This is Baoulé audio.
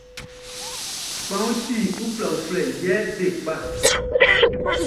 Kpanwunʼn ti uflɛuflɛ, yɛ be kpa.